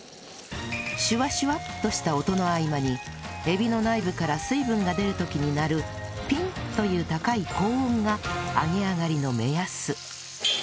シュワシュワッとした音の合間に海老の内部から水分が出る時に鳴る「ピン！」という高い高音が揚げあがりの目安